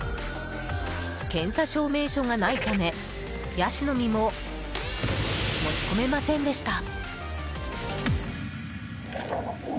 検査証明書がないためヤシの実も持ち込めませんでした。